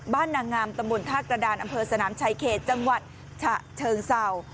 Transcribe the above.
บ้านหนังงามตมุลธาครดาลอำเภอสนามชายเขตจังหวัดฉะเชิงเสา